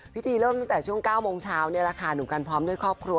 เริ่มตั้งแต่ช่วง๙โมงเช้านี่แหละค่ะหนุ่มกันพร้อมด้วยครอบครัว